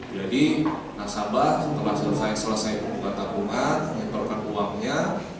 jadi nasabah setelah selesai membuka tabungan mengetorkan uangnya